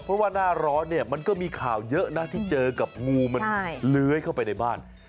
เพราะว่าหน้าร้อนเนี่ยมันก็มีข่าวเยอะนะที่เจอกับงูมันเลื้อยเข้าไปในบ้าน